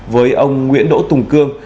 với ông nguyễn đỗ tùng cương